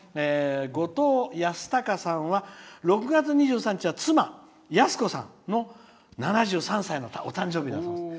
ごとうやすたかさんは６月２３日は妻、やすこさんの７３歳のお誕生日だそうです。